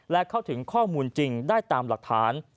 และเข้าถึงข้อมูลจริงได้ตามหลักฐาน